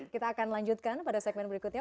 kita akan lanjutkan pada segmen berikutnya